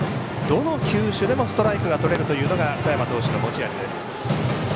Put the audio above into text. どの球種でもストライクがとれるというのが佐山投手の持ち味です。